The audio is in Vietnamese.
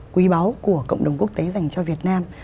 quý báu của cộng đồng quốc tế dành cho việt nam